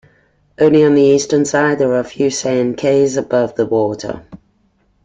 Only on the eastern side, there are a few sand cays above the water.